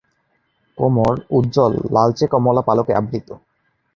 কোমর উজ্জ্বল লালচে-কমলা পালকে আবৃত।